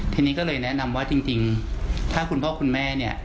ทีนี้ก็เลยแนะนำว่าจริงถ้าคุณพ่อคุณแม่เนี่ย